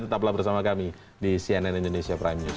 tetaplah bersama kami di cnn indonesia prime news